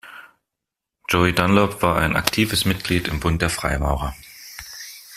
Joey Dunlop war ein aktives Mitglied im Bund der Freimaurer.